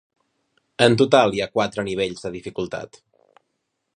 En total hi ha quatre nivells de dificultat.